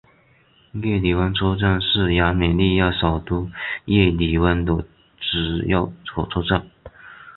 叶里温车站是亚美尼亚首都叶里温的主要火车站。